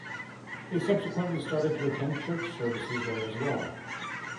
They subsequently started to attend church services there as well.